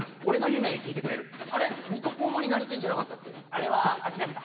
あれは諦めた。